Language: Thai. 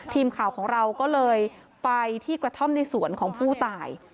ทีมข่าวของเราก็เลยไปที่กระท่อมในสวนของผู้ตาย